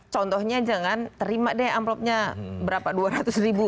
contohnya jangan terima deh amplopnya berapa dua ratus ribu